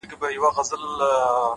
هوډ د ناکامۍ ویره کموي!